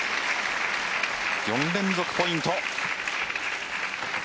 ４連続ポイント。